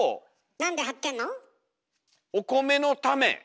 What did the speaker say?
なんで張ってんの？